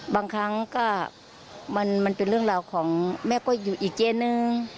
บางครั้งก็มันเป็นเรื่องราวของแม่ก็อยู่อีกเจนนึง